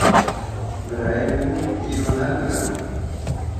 Birayê min îro ne li vir e.